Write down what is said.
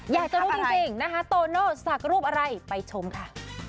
อยากจะรู้จริงนะคะโตโน่สักรูปอะไรไปชมค่ะ